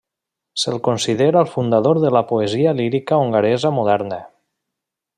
Se'l considera el fundador de la poesia lírica hongaresa moderna.